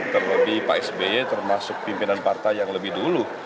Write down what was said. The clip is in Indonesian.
terlebih pak sby termasuk pimpinan partai yang lebih dulu